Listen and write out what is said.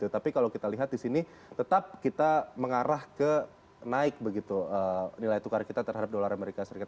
tapi kalau kita lihat di sini tetap kita mengarah ke naik begitu nilai tukar kita terhadap dolar amerika serikat